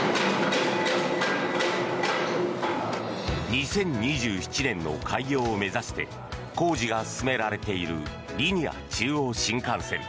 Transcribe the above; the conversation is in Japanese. ２０２７年の開業を目指して工事が進められているリニア中央新幹線。